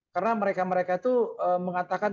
karena mereka mereka itu mengatakan